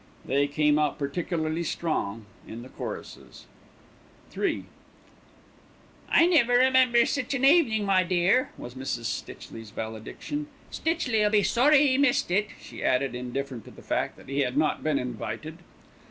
They came out particularly strong in the choruses. III "I never remember sich a evenin', my dear," was Mrs. Stitchley's valediction. "Stitchley'll be sorry 'e missed it," she added, indifferent to the fact that he had not been invited.